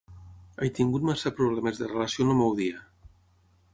He tingut massa problemes de relació en el meu dia.